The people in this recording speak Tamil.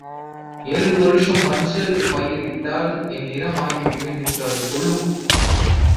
ஏழு வருஷம் மஞ்சள் பயிர் இட்டால் என் நிறம் ஆக்கிடுவேன் என்று அது சொல்லும்.